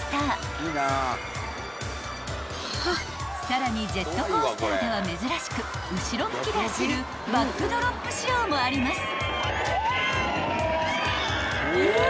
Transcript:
［さらにジェットコースターでは珍しく後ろ向きで走るバックドロップ仕様もあります］